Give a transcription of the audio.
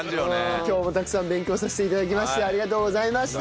今日もたくさん勉強させて頂きましてありがとうございました！